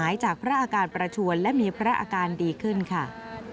หายจากเวร่าการประชวนและมีเพราะอาการดีขึ้นค่า